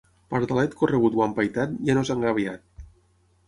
Pardalet corregut o empaitat ja no és engabiat.